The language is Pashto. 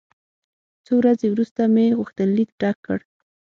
څو ورځې وروسته مې غوښتنلیک ډک کړ.